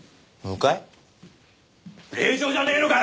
令状じゃねえのかよ！